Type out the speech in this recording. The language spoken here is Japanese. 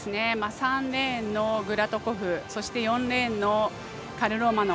３レーンのグラトコフと４レーンのカルロマノ